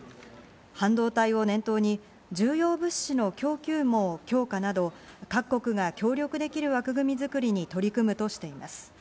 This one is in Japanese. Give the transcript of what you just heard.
半導体を念頭に重要物資の供給網強化など、各国が協力できる枠組みづくりに取り組むとしています。